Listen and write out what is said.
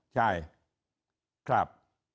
ใช่ครับ